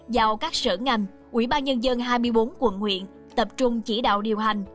dạo các sở ngành ubnd hai mươi bốn quận nguyện tập trung chỉ đạo điều hành